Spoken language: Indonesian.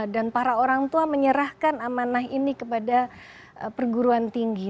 dan para orang tua menyerahkan amanah ini kepada perguruan tinggi